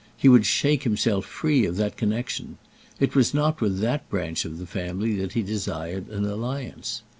He would shake himself free of that connexion. It was not with that branch of the family that he desired an alliance.